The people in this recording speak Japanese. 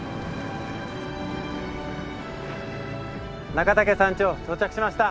中岳山頂到着しました。